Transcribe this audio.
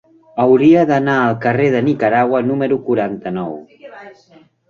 Hauria d'anar al carrer de Nicaragua número quaranta-nou.